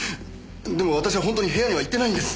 でも私はほんとに部屋には行ってないんです。